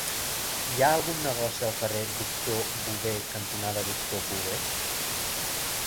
Hi ha algun negoci al carrer Doctor Bové cantonada Doctor Bové?